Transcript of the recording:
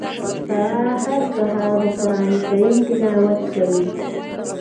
رڼا هر سهار د قران کریم تلاوت کوي.